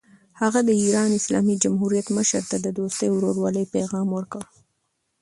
هغه د ایران اسلامي جمهوریت مشر ته د دوستۍ او ورورولۍ پیغام ورکړ.